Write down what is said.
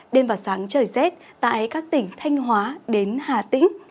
đêm và sáng trời rét tại các tỉnh thanh hóa đến hà tĩnh